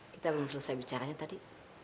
kita belum selesai bicaranya tadi